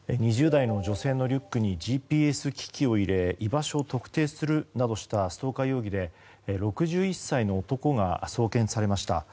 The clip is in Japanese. ２０代の女性のリュックにＧＰＳ機器を入れ居場所を特定するなどしたストーカー容疑で６１歳の男が送検されました。